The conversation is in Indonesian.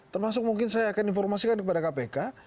termasuk mungkin saya akan informasikan kepada kpk